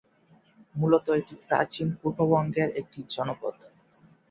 মূলত এটি প্রাচীন পূর্ববঙ্গের একটি জনপদ।